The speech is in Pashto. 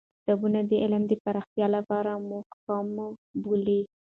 کتابونه د علم د پراختیا لپاره محکوم بولی.